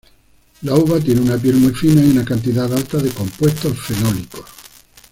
La uva tiene una piel muy fina y una cantidad alta de compuestos fenólicos.